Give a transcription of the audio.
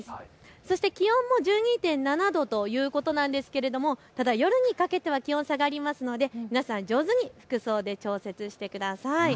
そして気温も１２．７度ということなんですがただ夜にかけては気温下がりますので皆さん上手に服装で調節してください。